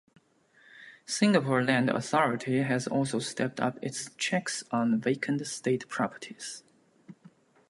Singapore Land Authority has also stepped up its checks on vacant state properties.